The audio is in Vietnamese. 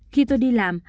khi tôi đi làm